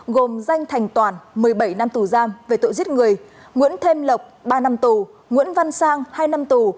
gồm danh thành toản một mươi bảy năm tù giam về tội giết người nguyễn thêm lộc ba năm tù nguyễn văn sang hai năm tù